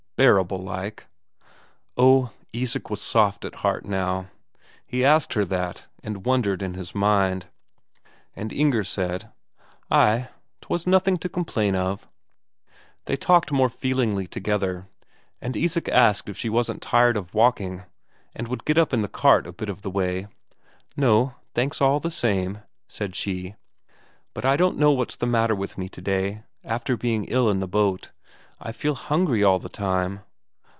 Bearable like?" Oh, Isak was soft at heart now; he asked her that, and wondered in his mind. And Inger said: "Ay, 'twas nothing to complain of." They talked more feelingly together, and Isak asked if she wasn't tired of walking, and would get up in the cart a bit of way. "No, thanks all the same," said she. "But I don't know what's the matter with me today; after being ill on the boat, I feel hungry all the time."